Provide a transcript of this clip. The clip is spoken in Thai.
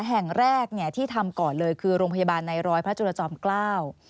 แห่งแรกเนี่ยที่ทำก่อนเลยคือโรงพยาบาลในร้อยพระจุรจอมเกล้า